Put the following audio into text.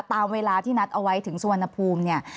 ตามเวลาที่นัดเอาไว้ถึงสุวรรณภูมิเนี่ย